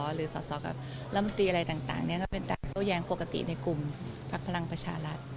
หรือส่อสอกับลำสตรีอะไรต่างต่างเนี้ยก็เป็นการโต้แย้งปกติในกลุ่มพักพลังประชารักษณ์